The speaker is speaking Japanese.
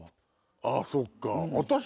あぁそっか。